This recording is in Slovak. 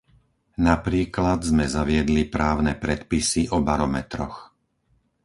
Napríklad sme zaviedli právne predpisy o barometroch.